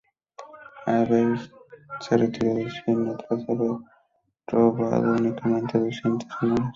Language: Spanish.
Haver se retiró del cine tras haber rodado únicamente dos cintas sonoras.